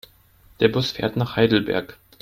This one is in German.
Der Bus fährt nach Heidelberg